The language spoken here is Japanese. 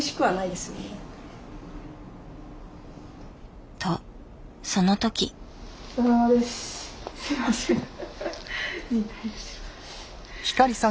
すみません。